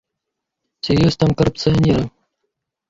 Ці ёсць там карупцыянеры?